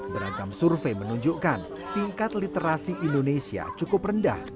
beragam survei menunjukkan tingkat literasi indonesia cukup rendah